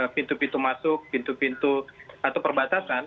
pintu pintu masuk pintu pintu atau perbatasan